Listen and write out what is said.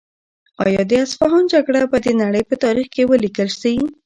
آیا د اصفهان جګړه به د نړۍ په تاریخ کې ولیکل شي؟